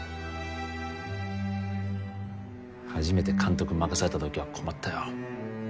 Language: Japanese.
初めて監督任された時は困ったよ